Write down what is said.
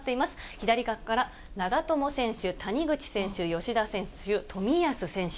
左側から長友選手、谷口選手、吉田選手、冨安選手。